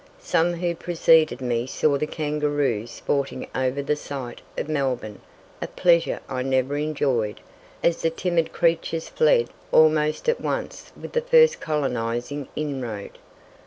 Some who preceded me saw the kangaroo sporting over the site of Melbourne a pleasure I never enjoyed, as the timid creatures fled almost at once with the first colonizing inroad.